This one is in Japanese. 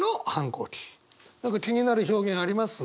何か気になる表現あります？